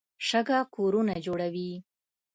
شګه کورونه جوړوي.